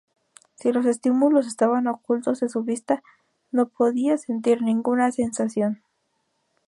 Si los estímulos estaban ocultos de su vista, no podía sentir ninguna sensación.